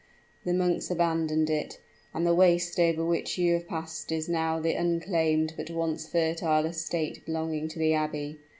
The monks abandoned it: and the waste over which you have passed is now the unclaimed but once fertile estate belonging to the abbey.